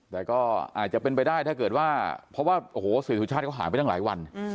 แต่ก็อาจจะเป็นไปได้ถ้าเกิดว่าเพราะว่าโอ้โหเสียสุชาติเขาหายไปตั้งหลายวัน